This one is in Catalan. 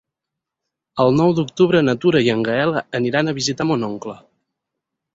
El nou d'octubre na Tura i en Gaël aniran a visitar mon oncle.